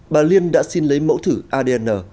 bà liên đã xin lấy mẫu thử adn